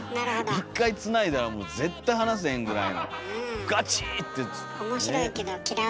一回つないだらもう絶対離せへんぐらいのガチッて。